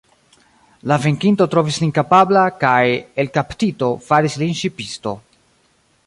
La venkinto trovis lin kapabla, kaj, el kaptito, faris lin ŝipisto.